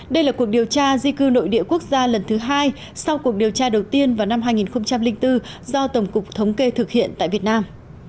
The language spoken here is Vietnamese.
đây là cuộc điều tra di cư nội địa quốc gia lần thứ hai sau cuộc điều tra đầu tiên vào năm hai nghìn bốn do tổng cục thống kê thực hiện tại việt nam